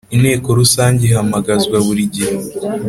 Inteko Rusange ihamagazwa burigihe.